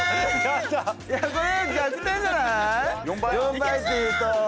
４倍っていうと。